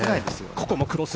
ここもクロス！